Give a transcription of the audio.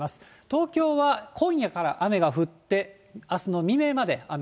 東京は今夜から雨が降って、あすの未明まで雨。